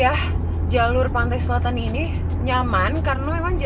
kalau tema jalan dendels itu kita mau jalan jalan tur wanita nanibab conhejo dengan konfliko badan itu